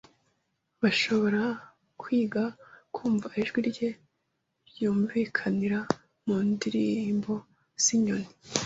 Bashobora kwiga kumva ijwi rye ryumvikanira mu ndirimbo z’inyoni